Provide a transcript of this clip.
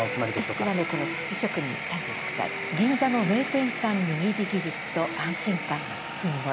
この「寿司職人３６歳銀座の名店産握り技術と安心感の包み声」